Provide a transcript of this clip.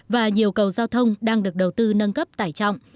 và nhiều cầu giao thông đang được đầu tư nâng cấp tải trọng